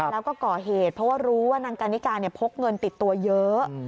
แล้วก็ก่อเหตุเพราะว่ารู้ว่านางกันนิกาพกเงินติดตัวเยอะ